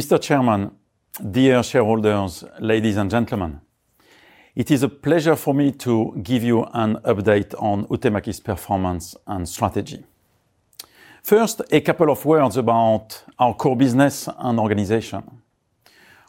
Mr. Chairman, dear shareholders, ladies and gentlemen, it is a pleasure for me to give you an update on Huhtamäki's performance and strategy. First, a couple of words about our core business and organization.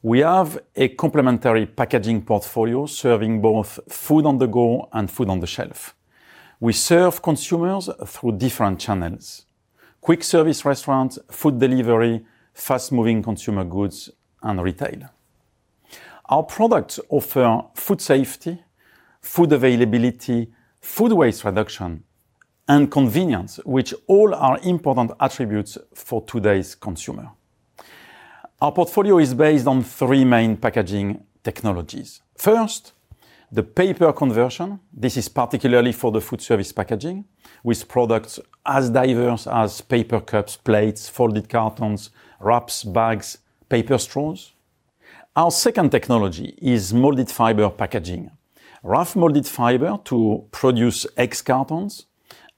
We have a complementary packaging portfolio serving both food on the go and food on the shelf. We serve consumers through different channels: quick service restaurants, food delivery, fast-moving consumer goods, and retail. Our products offer food safety, food availability, food waste reduction, and convenience, which all are important attributes for today's consumer. Our portfolio is based on three main packaging technologies. First, the paper conversion. This is particularly for the food service packaging with products as diverse as paper cups, plates, folded cartons, wraps, bags, paper straws. Our second technology is molded fiber packaging. Rough molded fiber to produce eggs cartons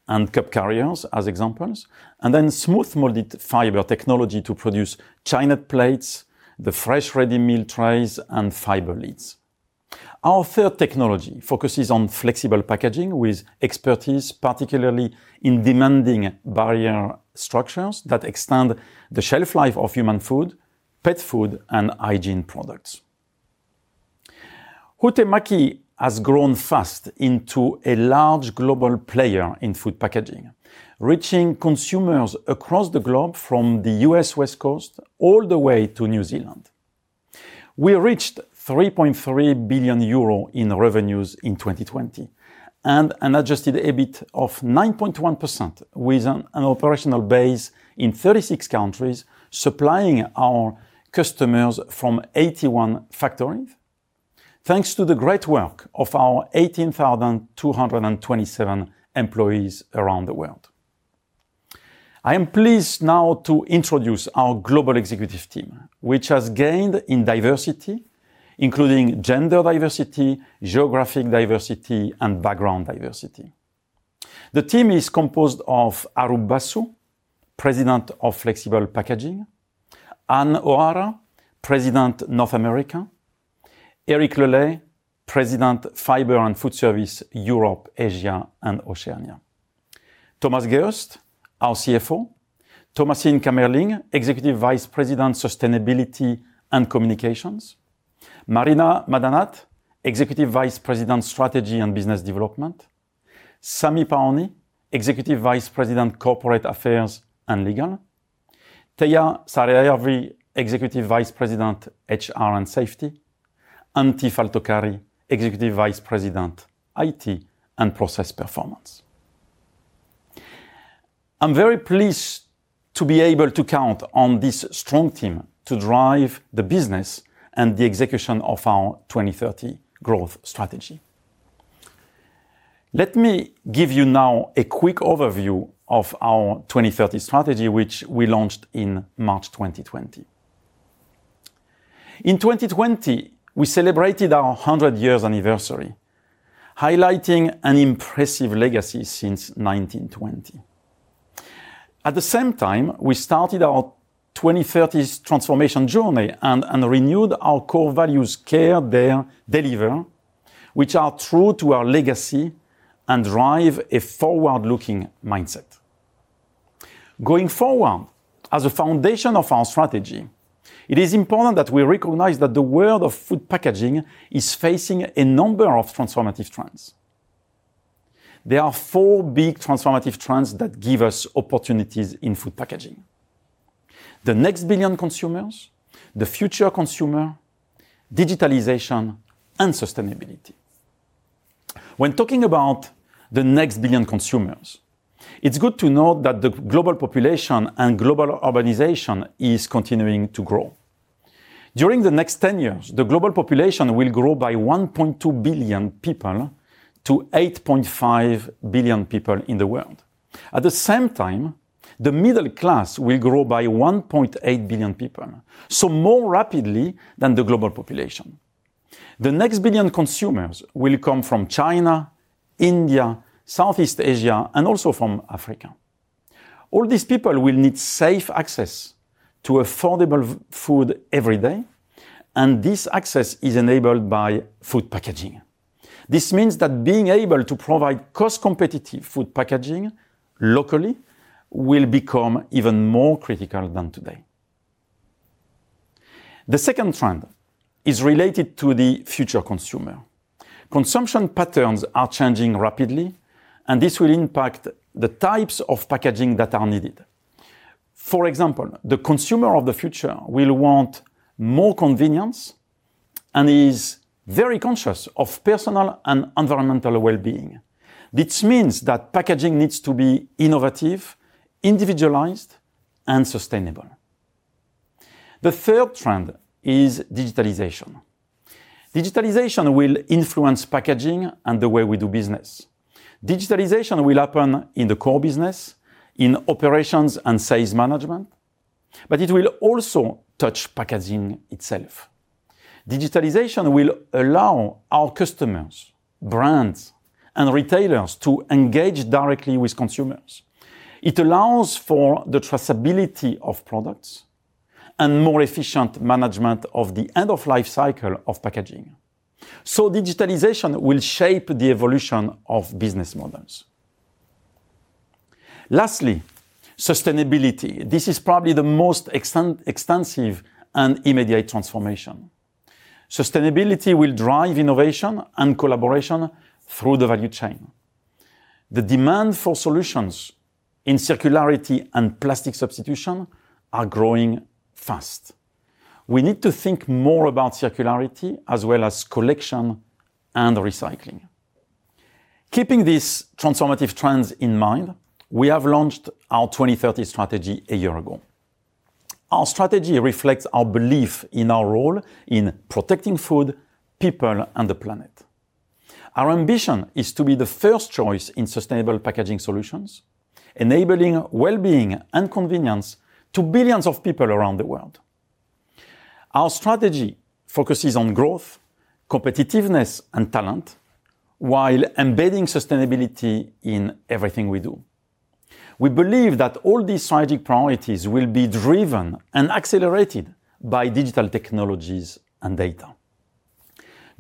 and cup carriers as examples, and then smooth molded fiber technology to produce Chinet plates, the fresh ready-meal trays, and fiber lids. Our third technology focuses on flexible packaging with expertise, particularly in demanding barrier structures that extend the shelf life of human food, pet food, and hygiene products. Huhtamäki has grown fast into a large global player in food packaging, reaching consumers across the globe from the U.S. West Coast all the way to New Zealand. We reached 3.3 billion euro in revenues in 2020, and an adjusted EBIT of 9.1% with an operational base in 36 countries, supplying our customers from 81 factories, thanks to the great work of our 18,227 employees around the world. I am pleased now to introduce our global executive team, which has gained in diversity, including gender diversity, geographic diversity, and background diversity. The team is composed of Arup Basu, President of Flexible Packaging, Ann O'Hara, President North America, Eric Le Lay, President Fiber Foodservice Europe-Asia-Oceania, Thomas Geust, our CFO, Thomasine Kamerling, Executive Vice President, Sustainability and Communications, Marina Madanat, Executive Vice President, Strategy and Business Development, Sami Pauni, Executive Vice President, Corporate Affairs and Legal, Teija Sarajärvi, Executive Vice President, HR and Safety, Antti Valtokari, Executive Vice President, IT and Process Performance. I'm very pleased to be able to count on this strong team to drive the business and the execution of our 2030 growth strategy. Let me give you now a quick overview of our 2030 strategy, which we launched in March 2020. In 2020, we celebrated our 100 years anniversary, highlighting an impressive legacy since 1920. At the same time, we started our 2030 transformation journey and renewed our core values, Care, Dare, Deliver, which are true to our legacy and drive a forward-looking mindset. Going forward, as a foundation of our strategy, it is important that we recognize that the world of food packaging is facing a number of transformative trends. There are four big transformative trends that give us opportunities in food packaging: the next billion consumers, the future consumer, digitalization, and sustainability. When talking about the next billion consumers, it's good to know that the global population and global urbanization is continuing to grow. During the next 10 years, the global population will grow by 1.2 billion people to 8.5 billion people in the world. At the same time, the middle class will grow by 1.8 billion people, so more rapidly than the global population. The next billion consumers will come from China, India, Southeast Asia, and also from Africa. All these people will need safe access to affordable food every day, and this access is enabled by food packaging. This means that being able to provide cost-competitive food packaging locally will become even more critical than today. The second trend is related to the future consumer. Consumption patterns are changing rapidly, and this will impact the types of packaging that are needed. For example, the consumer of the future will want more convenience and is very conscious of personal and environmental well-being, which means that packaging needs to be innovative, individualized, and sustainable. The third trend is digitalization. Digitalization will influence packaging and the way we do business. Digitalization will happen in the core business, in operations and sales management, but it will also touch packaging itself. Digitalization will allow our customers, brands, and retailers to engage directly with consumers. It allows for the traceability of products and more efficient management of the end-of-life cycle of packaging. Digitalization will shape the evolution of business models. Lastly, sustainability. This is probably the most extensive and immediate transformation. Sustainability will drive innovation and collaboration through the value chain. The demand for solutions in circularity and plastic substitution are growing fast. We need to think more about circularity, as well as collection and recycling. Keeping these transformative trends in mind, we have launched our 2030 strategy a year ago. Our strategy reflects our belief in our role in protecting food, people, and the planet. Our ambition is to be the first choice in sustainable packaging solutions, enabling wellbeing and convenience to billions of people around the world. Our strategy focuses on growth, competitiveness, and talent, while embedding sustainability in everything we do. We believe that all these strategic priorities will be driven and accelerated by digital technologies and data.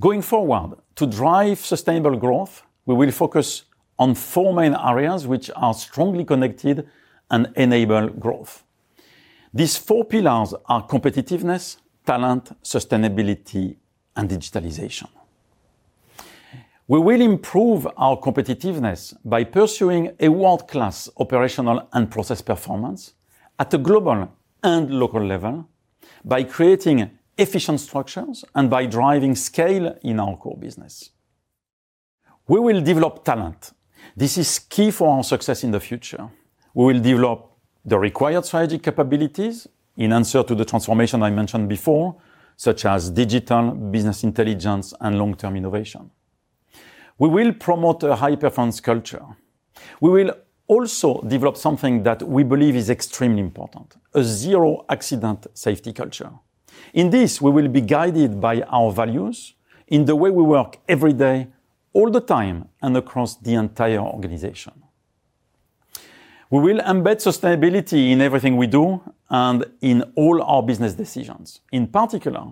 Going forward, to drive sustainable growth, we will focus on four main areas, which are strongly connected and enable growth. These four pillars are competitiveness, talent, sustainability, and digitalization. We will improve our competitiveness by pursuing a world-class operational and process performance at a global and local level by creating efficient structures and by driving scale in our core business. We will develop talent. This is key for our success in the future. We will develop the required strategic capabilities in answer to the transformation I mentioned before, such as digital business intelligence and long-term innovation. We will promote a high-performance culture. We will also develop something that we believe is extremely important, a zero accident safety culture. In this, we will be guided by our values in the way we work every day, all the time, and across the entire organization. We will embed sustainability in everything we do and in all our business decisions. In particular,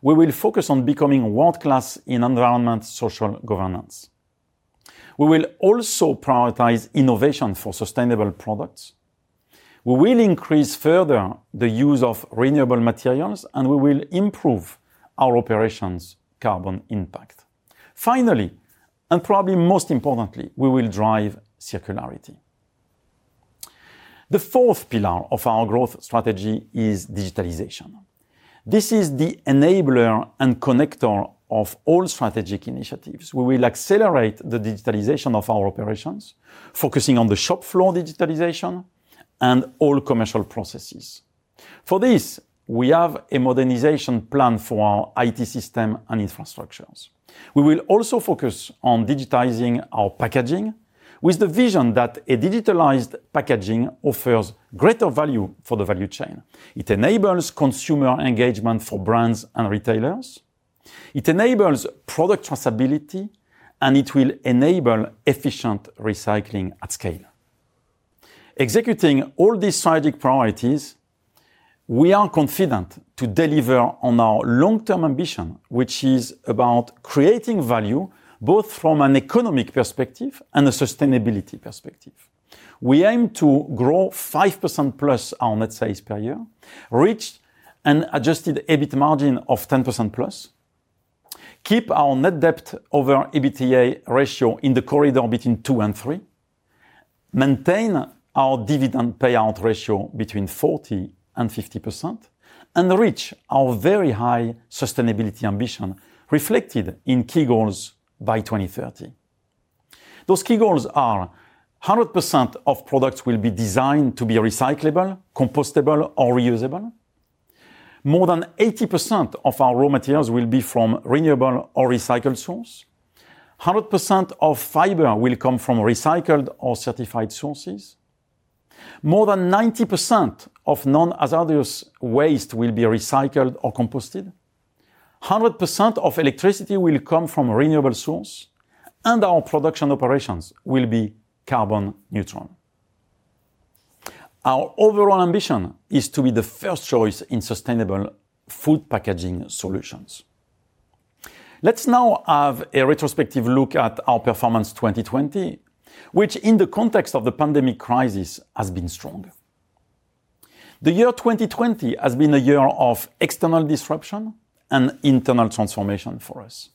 we will focus on becoming world-class in ESG. We will also prioritize innovation for sustainable products. We will increase further the use of renewable materials, and we will improve our operations' carbon impact. Finally, and probably most importantly, we will drive circularity. The fourth pillar of our growth strategy is digitalization. This is the enabler and connector of all strategic initiatives. We will accelerate the digitalization of our operations, focusing on the shop floor digitalization and all commercial processes. For this, we have a modernization plan for our IT system and infrastructures. We will also focus on digitizing our packaging with the vision that a digitalized packaging offers greater value for the value chain. It enables consumer engagement for brands and retailers, it enables product traceability, and it will enable efficient recycling at scale. Executing all these strategic priorities, we are confident to deliver on our long-term ambition, which is about creating value, both from an economic perspective and a sustainability perspective. We aim to grow 5%+ our net sales per year, reach an adjusted EBIT margin of 10%+, keep our net debt over EBITDA ratio in the corridor between two and three, maintain our dividend payout ratio between 40%-50%, and reach our very high sustainability ambition reflected in key goals by 2030. Those key goals are 100% of products will be designed to be recyclable, compostable, or reusable. More than 80% of our raw materials will be from renewable or recycled source. 100% of fiber will come from recycled or certified sources. More than 90% of non-hazardous waste will be recycled or composted. 100% of electricity will come from renewable source, and our production operations will be carbon neutral. Our overall ambition is to be the first choice in sustainable food packaging solutions. Let's now have a retrospective look at our performance 2020, which in the context of the pandemic crisis, has been strong. The year 2020 has been a year of external disruption and internal transformation for us.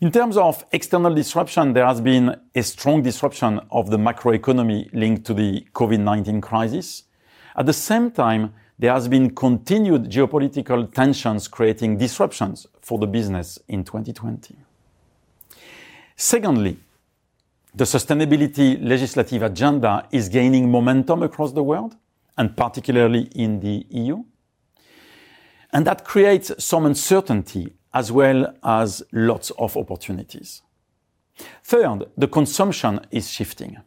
In terms of external disruption, there has been a strong disruption of the macroeconomy linked to the COVID-19 crisis. At the same time, there has been continued geopolitical tensions creating disruptions for the business in 2020. Secondly, the sustainability legislative agenda is gaining momentum across the world, and particularly in the EU, and that creates some uncertainty as well as lots of opportunities. Third, the consumption is shifting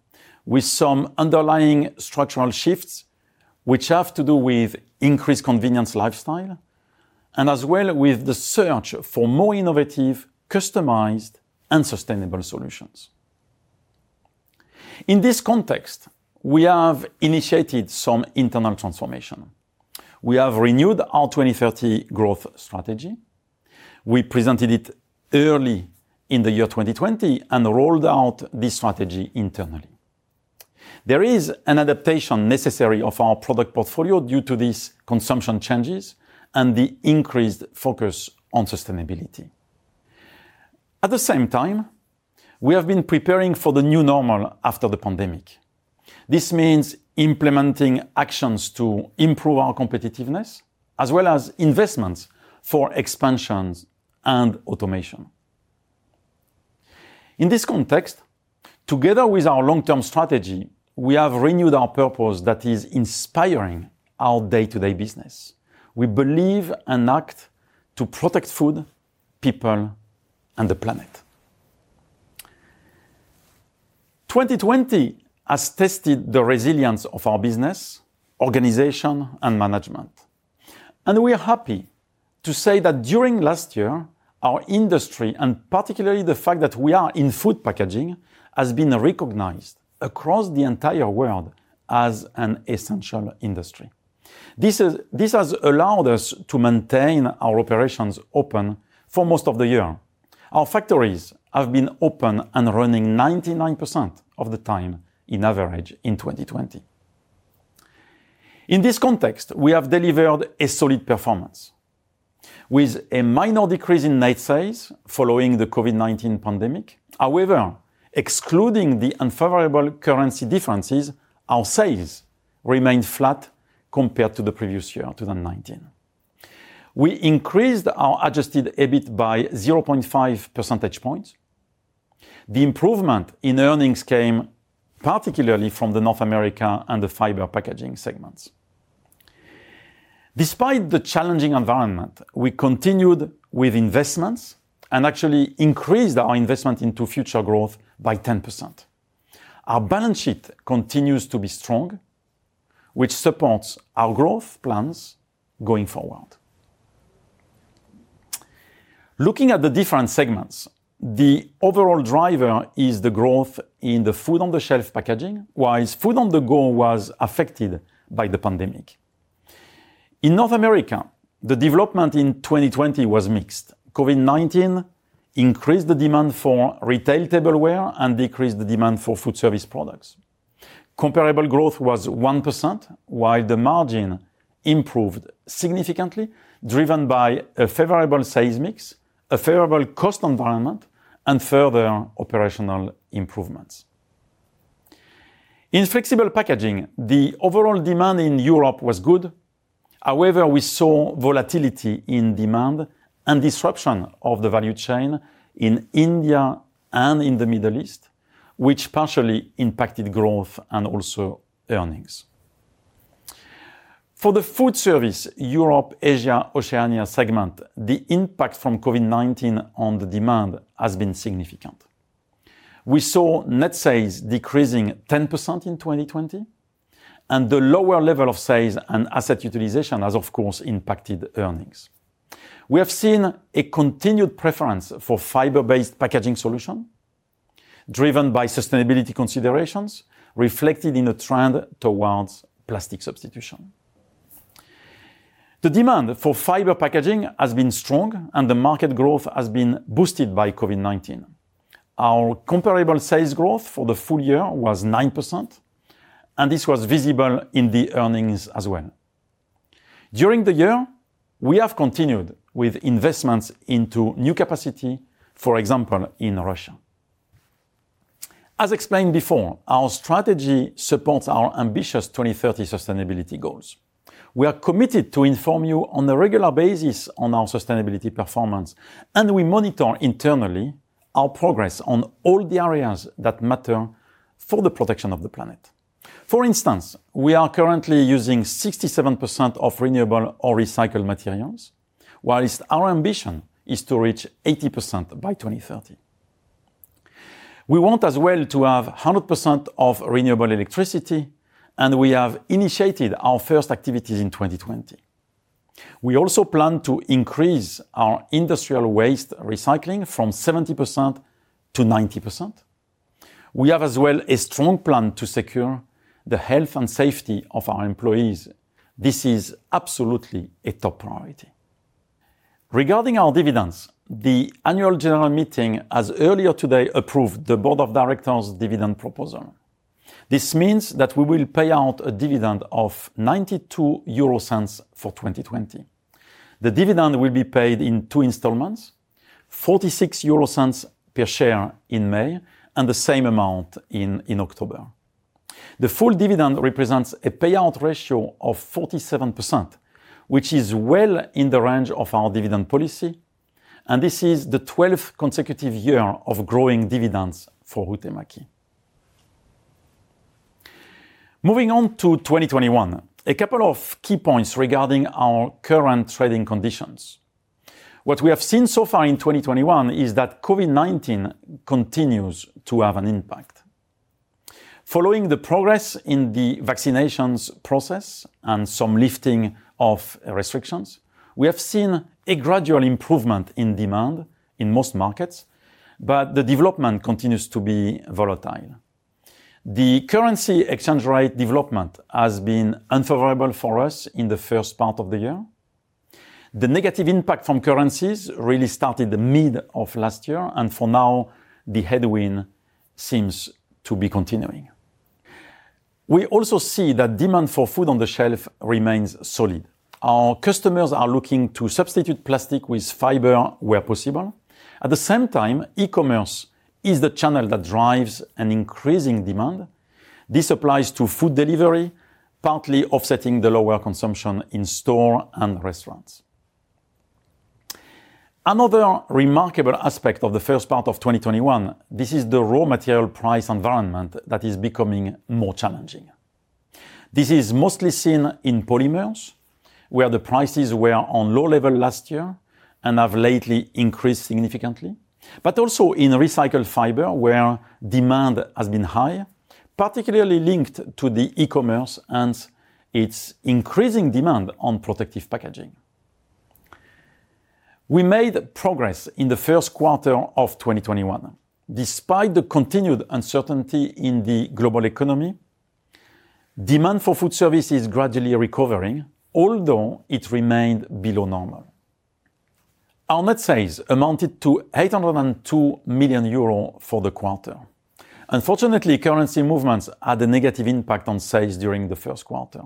with some underlying structural shifts which have to do with increased convenience lifestyle, and as well with the search for more innovative, customized, and sustainable solutions. In this context, we have initiated some internal transformation. We have renewed our 2030 growth strategy. We presented it early in the year 2020 and rolled out this strategy internally. There is an adaptation necessary of our product portfolio due to these consumption changes and the increased focus on sustainability. At the same time, we have been preparing for the new normal after the pandemic. This means implementing actions to improve our competitiveness, as well as investments for expansions and automation. In this context, together with our long-term strategy, we have renewed our purpose that is inspiring our day-to-day business. We believe and act to protect food, people, and the planet. 2020 has tested the resilience of our business, organization, and management, and we are happy to say that during last year, our industry, and particularly the fact that we are in food packaging, has been recognized across the entire world as an essential industry. This has allowed us to maintain our operations open for most of the year. Our factories have been open and running 99% of the time on average in 2020. In this context, we have delivered a solid performance. With a minor decrease in net sales following the COVID-19 pandemic, however, excluding the unfavorable currency differences, our sales remained flat compared to the previous year, 2019. We increased our adjusted EBIT by 0.5 percentage points. The improvement in earnings came particularly from North America and the Fiber Packaging segments. Despite the challenging environment, we continued with investments and actually increased our investment into future growth by 10%. Our balance sheet continues to be strong, which supports our growth plans going forward. Looking at the different segments, the overall driver is the growth in the food-on-the-shelf packaging, whilst food-on-the-go was affected by the pandemic. In North America, the development in 2020 was mixed. COVID-19 increased the demand for retail tableware and decreased the demand for food service products. Comparable growth was 1%, while the margin improved significantly, driven by a favorable sales mix, a favorable cost environment, and further operational improvements. In Flexible Packaging, the overall demand in Europe was good. However, we saw volatility in demand and disruption of the value chain in India and in the Middle East, which partially impacted growth and also earnings. For the Foodservice Europe-Asia-Oceania segment, the impact from COVID-19 on the demand has been significant. We saw net sales decreasing 10% in 2020, and the lower level of sales and asset utilization has of course impacted earnings. We have seen a continued preference for fiber-based packaging solution, driven by sustainability considerations reflected in a trend towards plastic substitution. The demand for fiber packaging has been strong, and the market growth has been boosted by COVID-19. Our comparable sales growth for the full year was 9%, and this was visible in the earnings as well. During the year, we have continued with investments into new capacity, for example, in Russia. As explained before, our strategy supports our ambitious 2030 sustainability goals. We are committed to inform you on a regular basis on our sustainability performance, and we monitor internally our progress on all the areas that matter for the protection of the planet. For instance, we are currently using 67% of renewable or recycled materials, whilst our ambition is to reach 80% by 2030. We want as well to have 100% of renewable electricity, and we have initiated our first activities in 2020. We also plan to increase our industrial waste recycling from 70% to 90%. We have as well a strong plan to secure the health and safety of our employees. This is absolutely a top priority. Regarding our dividends, the annual general meeting as earlier today approved the board of directors' dividend proposal. This means that we will pay out a dividend of 0.92 for 2020. The dividend will be paid in two installments, 0.46 per share in May and the same amount in October. The full dividend represents a payout ratio of 47%, which is well in the range of our dividend policy, and this is the 12th consecutive year of growing dividends for Huhtamäki. Moving on to 2021, a couple of key points regarding our current trading conditions. What we have seen so far in 2021 is that COVID-19 continues to have an impact. Following the progress in the vaccinations process and some lifting of restrictions, we have seen a gradual improvement in demand in most markets, but the development continues to be volatile. The currency exchange rate development has been unfavorable for us in the first part of the year. The negative impact from currencies really started the mid of last year, and for now, the headwind seems to be continuing. We also see that demand for food on the shelf remains solid. Our customers are looking to substitute plastic with fiber where possible. At the same time, e-commerce is the channel that drives an increasing demand. This applies to food delivery, partly offsetting the lower consumption in store and restaurants. Another remarkable aspect of the first part of 2021, this is the raw material price environment that is becoming more challenging. This is mostly seen in polymers, where the prices were on low level last year and have lately increased significantly, but also in recycled fiber where demand has been high, particularly linked to the e-commerce and its increasing demand on protective packaging. We made progress in the first quarter of 2021. Despite the continued uncertainty in the global economy, demand for food service is gradually recovering, although it remained below normal. Our net sales amounted to 802 million euro for the quarter. Unfortunately, currency movements had a negative impact on sales during the first quarter.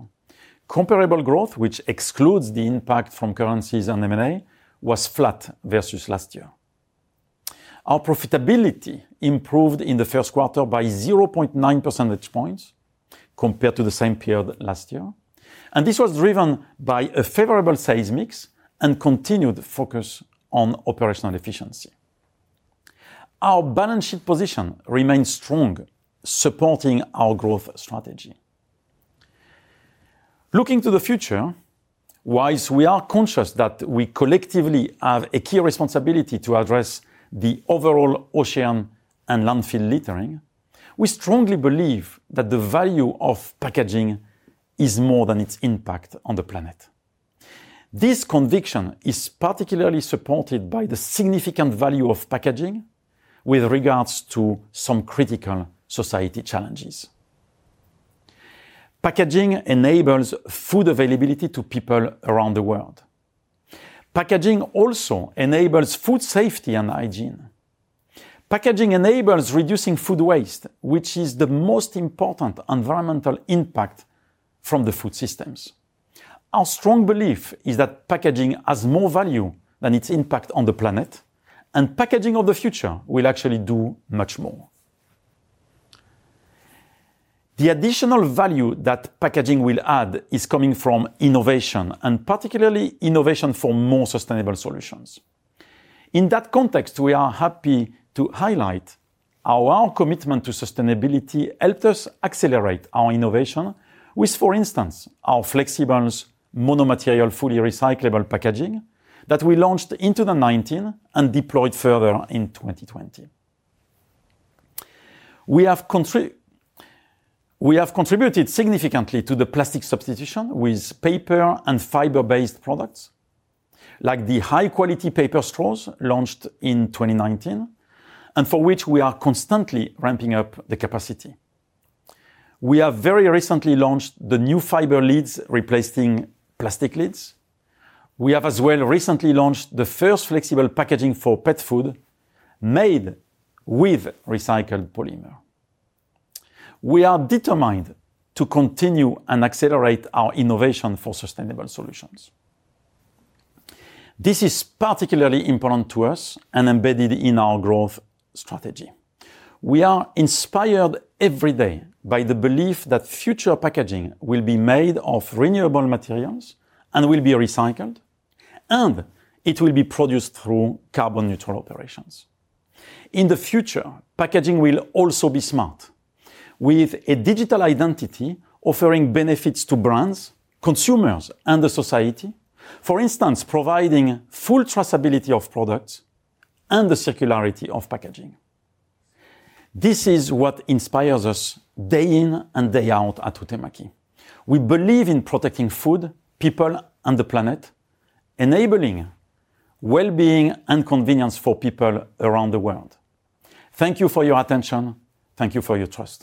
Comparable growth, which excludes the impact from currencies and M&A, was flat versus last year. Our profitability improved in the first quarter by 0.9 percentage points compared to the same period last year, and this was driven by a favorable sales mix and continued focus on operational efficiency. Our balance sheet position remains strong, supporting our growth strategy. Looking to the future, whilst we are conscious that we collectively have a key responsibility to address the overall ocean and landfill littering, we strongly believe that the value of packaging is more than its impact on the planet. This conviction is particularly supported by the significant value of packaging with regards to some critical society challenges. Packaging enables food availability to people around the world. Packaging also enables food safety and hygiene. Packaging enables reducing food waste, which is the most important environmental impact from the food systems. Our strong belief is that packaging has more value than its impact on the planet, and packaging of the future will actually do much more. The additional value that packaging will add is coming from innovation, and particularly innovation for more sustainable solutions. In that context, we are happy to highlight how our commitment to sustainability helped us accelerate our innovation with, for instance, our Flexibles mono-material fully recyclable packaging that we launched into 2019 and deployed further in 2020. We have contributed significantly to the plastic substitution with paper and fiber-based products, like the high-quality paper straws launched in 2019, and for which we are constantly ramping up the capacity. We have very recently launched the new fiber lids replacing plastic lids. We have as well recently launched the first flexible packaging for pet food made with recycled polymer. We are determined to continue and accelerate our innovation for sustainable solutions. This is particularly important to us and embedded in our growth strategy. We are inspired every day by the belief that future packaging will be made of renewable materials and will be recycled, and it will be produced through carbon-neutral operations. In the future, packaging will also be smart with a digital identity offering benefits to brands, consumers, and the society, for instance, providing full traceability of products and the circularity of packaging. This is what inspires us day in and day out at Huhtamäki. We believe in protecting food, people, and the planet, enabling well-being and convenience for people around the world. Thank you for your attention. Thank you for your trust.